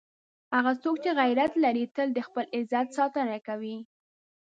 هغه څوک چې غیرت لري، تل د خپل عزت ساتنه کوي.